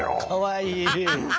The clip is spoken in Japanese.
かわいい。